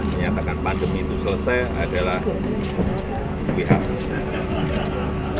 menyatakan pandemi itu selesai adalah pihak